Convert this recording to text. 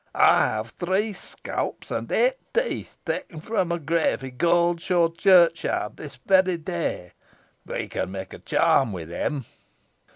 I have three scalps and eight teeth, taken from a grave in Goldshaw churchyard this very day. We can make a charm with them."